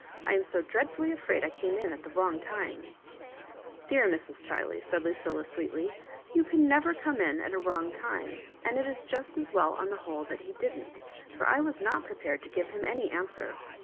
I am so dreadfully afraid I came in at the wrong time." Dcar Mra. Chiley," said Lucilla, sweetly, " you can never come in at a wrong time ; aud it is just as well, on the whole, that he didn't— Ux 1 was not prepared to give him any answer.